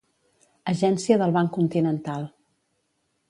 Agència del Banc Continental.